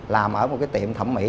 làm ở một cái tiệm thẩm mỹ